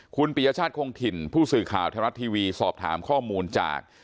คุณปียชาติคงถิ่นผู้สื่อข่าวไทยรัฐทีวีสอบถามข้อมูลจาก